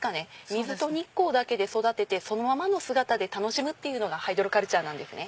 水と日光だけで育ててそのままの姿で楽しむのがハイドロカルチャーなんですね。